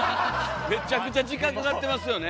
めっちゃくちゃ時間かかってますよね。